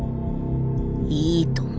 いいとも。